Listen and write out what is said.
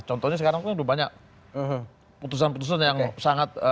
contohnya sekarang kita udah banyak putusan putusan yang sangat